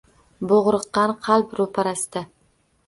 Bo’g’riqqan qalb ro’parasida.